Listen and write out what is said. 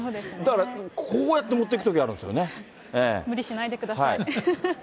だから、こうやって持ってくとき無理しないでください。